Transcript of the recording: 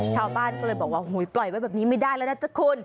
ชาวบ้านก็เลยบอกว่าปล่อยไว้แบบนี้ไม่ได้แล้วนะจ๊ะคุณ